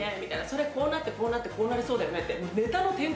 「それこうなってこうなってこうなりそうだよね」ってって言って。